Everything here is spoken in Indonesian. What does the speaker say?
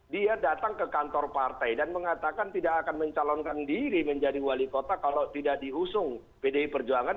dia datang ke kantor partai dan mengatakan tidak akan mencalonkan diri menjadi wali kota kalau tidak diusung pdi perjuangan